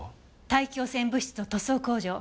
大気汚染物質と塗装工場。